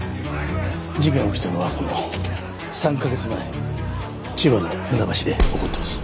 事件が起きたのは３カ月前千葉の船橋で起こってます。